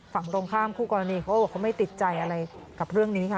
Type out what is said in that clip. ฝั่งตรงข้ามคู่กรณีเขาบอกเขาไม่ติดใจอะไรกับเรื่องนี้ค่ะ